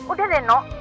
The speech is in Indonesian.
udah deh no